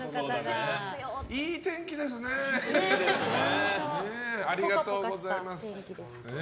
いい天気ですね。